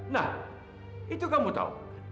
nah itu kamu tahu